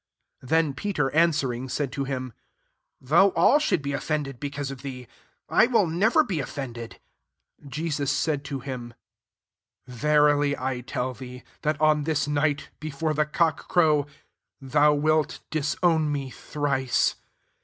33 Then Peter answering said to him, "Though all should be offended because of thee, I will never be of fended.'' 34 Jesus said to him, " Verily I tell thee, that on this night, before the cock erow, 5iou wilt disown me thrice."